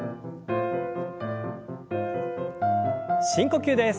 深呼吸です。